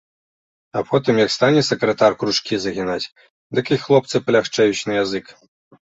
А потым, як стане сакратар кручкі загінаць, дык і хлопцы палягчэюць на язык.